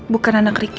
bukan anak ricky